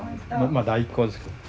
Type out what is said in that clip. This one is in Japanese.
まあ第１稿ですけど。